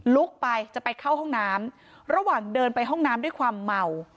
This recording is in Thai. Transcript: ลุกไปจะไปเข้าห้องน้ำระหว่างเดินไปห้องน้ำด้วยความเมา